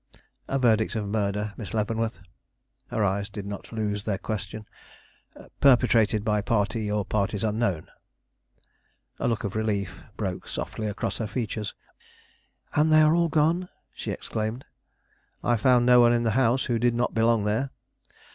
"A verdict of murder, Miss Leavenworth." Her eyes did not lose their question. "Perpetrated by party or parties unknown." A look of relief broke softly across her features. "And they are all gone?" she exclaimed. "I found no one in the house who did not belong there."